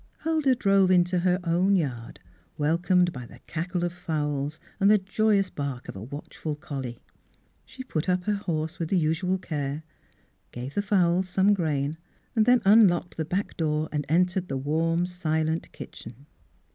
Huldah drove into her own yard, wel comed by the cackle of fowls and the joy ous bark of a watchful collie. She put up her horse with the usual care, gave the fowls some grain, then unlocked the back door and entered the warm, silent kitchen.